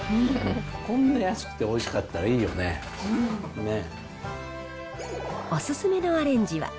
こんな安くておいしかったらいい第１位。